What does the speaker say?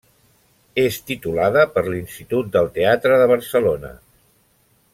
És titulada per l'Institut del Teatre de Barcelona.